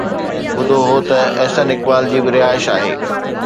ٻڌو هو ته احسن اقبال جي به رهائش آهي.